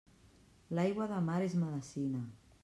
L'aigua de mar és medecina.